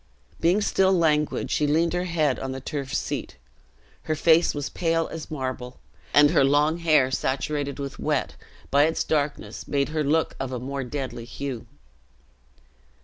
Being still languid, she leaned her head on the turf seat. Her face was pale as marble, and her long hair, saturated with wet, by its darkness made her look of a more deadly hue.